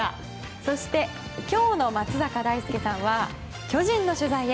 そして、今日の松坂大輔さんは巨人の取材へ。